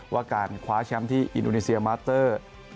ว่าการคว้าแชมป์ที่อินโดนีเซียมาสเตอร์